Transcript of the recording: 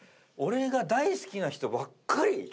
俺が大好きな人ばっかり。